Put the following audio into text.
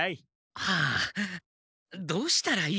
はあどうしたらいいでしょう？